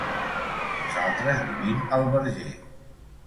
Nosaltres vivim al Verger.